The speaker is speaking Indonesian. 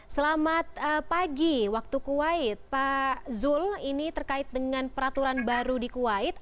selamat pagi waktu kuwait pak zul ini terkait dengan peraturan baru di kuwait